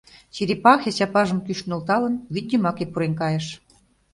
Черепахе, чапажым кӱш нӧлталын, вӱд йымаке пурен кайыш.